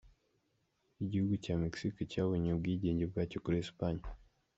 Igihugu cya Mexique cyabonye ubwigenge bwacyo kuri Espagne.